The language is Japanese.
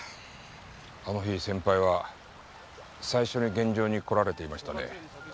あの日先輩は最初に現場に来られていましたね。